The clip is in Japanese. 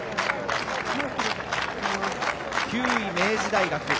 ９位、明治大学